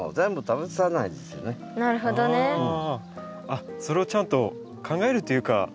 あっそれをちゃんと考えるというか。